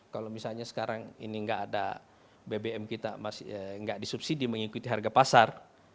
kalau misalnya sekarang ini nggak ada bbm kita nggak disubsidi mengikuti harga pasar